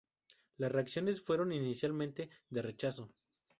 Las reacciones fueron inicialmente de rechazo.